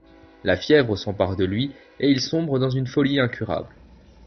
La fièvre s'empare de lui et il sombre dans une folie incurable.